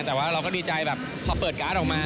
แต่ว่าเราก็ดีใจแบบพอเปิดการ์ดออกมา